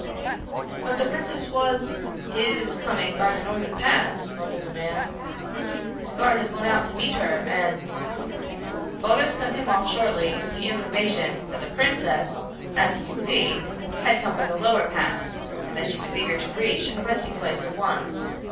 "But the princess was is coming by the northern pass," mumbled the man. "The guard has gone out to meet her and " Baldos cut him off shortly with the information that the princess, as he could see, had come by the lower pass and that she was eager to reach a resting place at once.